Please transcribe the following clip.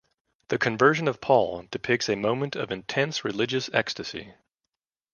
"The Conversion of Paul" depicts a moment of intense religious ecstasy.